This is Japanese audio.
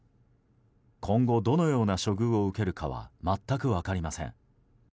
今後どのような処遇を受けるかは全く分かりません。